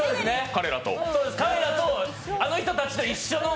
彼らと、あの人たちと一緒の。